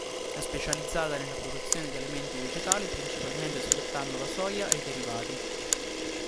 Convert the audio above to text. È specializzata nella produzione di alimenti vegetali, principalmente sfruttando la soia e i derivati.